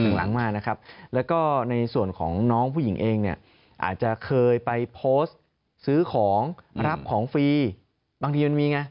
หลังมานะครับแล้วก็ในส่วนของน้องผู้หญิงเองเนี่ยอาจจะเคยไปโพสต์ซื้อของรับของฟรีบางทีมันมีไง